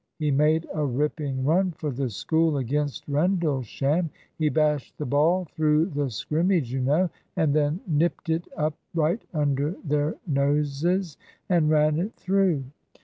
He made a ripping run for the School against Rendlesham. He bashed the ball through the scrimmage, you know, and then nipped it up right under their noses and ran it through.